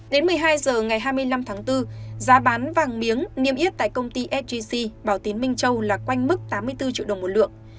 đến một mươi hai h ngày hai mươi năm tháng bốn giá bán vàng miếng niêm yết tại công ty sgc bảo tín minh châu là quanh mức tám mươi bốn triệu đồng một lượng